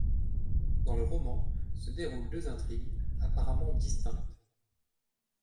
Dans le roman se déroulent deux intrigues, apparemment distinctes.